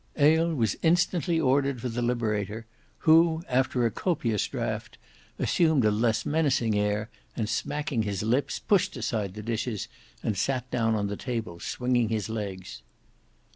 Ale was instantly ordered for the Liberator, who after a copious draught assumed a less menacing air, and smacking his lips, pushed aside the dishes, and sate down on the table swinging his legs.